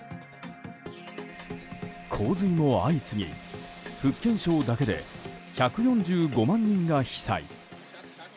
洪水も相次ぎ福建省だけで１４５万人が被災。